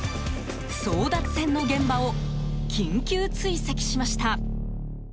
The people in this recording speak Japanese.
争奪戦の現場を緊急追跡しました。